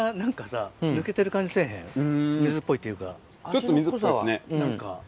ちょっと水っぽいですね。